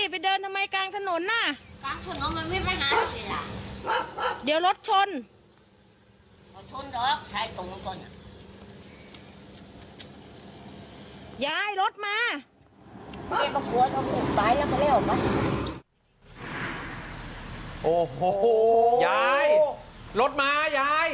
ไปเดินทำไมกลางถนนน่ะ